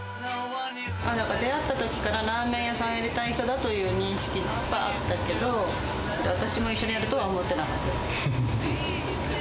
なんか、出会ったときからラーメン屋さんをやりたい人だという認識はあったけど、私も一緒にやるとは思ってなかったです。